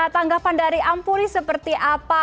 tanggapan dari ampuri seperti apa